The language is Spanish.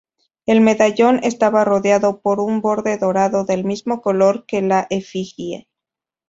El medallón estaba rodeado por un borde dorado del mismo color que la efigie.